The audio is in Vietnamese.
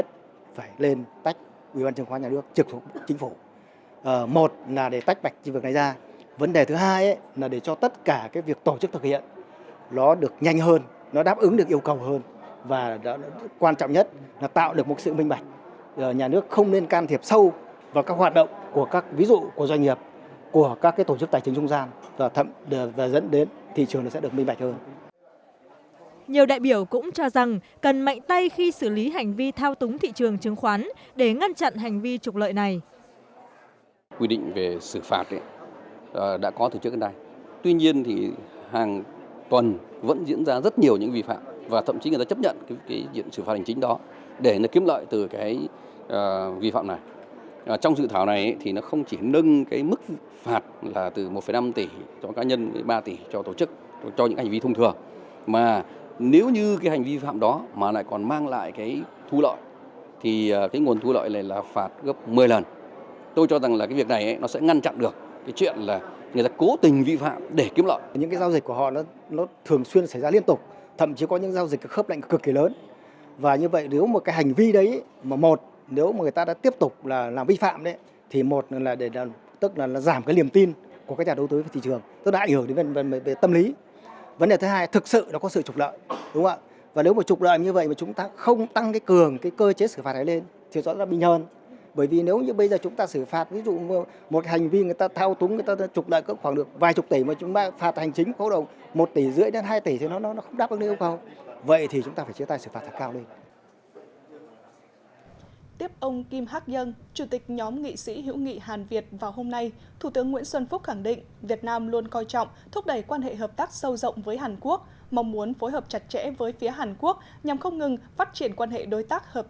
tiếp ông kim hác dân chủ tịch nhóm nghị sĩ hữu nghị hàn việt vào hôm nay thủ tướng nguyễn xuân phúc khẳng định việt nam luôn coi trọng thúc đẩy quan hệ hợp tác sâu rộng với hàn quốc mong muốn phối hợp chặt chẽ với phía hàn quốc nhằm không ngừng phát triển quan hệ đối tác hợp tác chiến lược giữa hai nước lên tầm cao mới